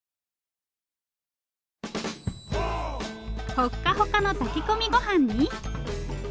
ホッカホカの炊き込みごはんに。